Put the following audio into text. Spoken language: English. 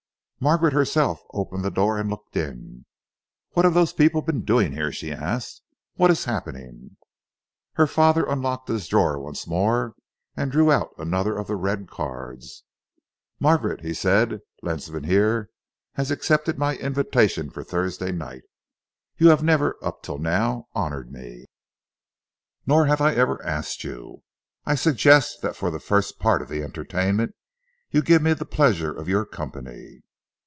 Margaret herself opened the door and looked in. "What have those people been doing here?" she asked. "What is happening?" Her father unlocked his drawer once more and drew out another of the red cards. "Margaret," he said, "Ledsam here has accepted my invitation for Thursday night. You have never, up till now, honoured me, nor have I ever asked you. I suggest that for the first part of the entertainment, you give me the pleasure of your company."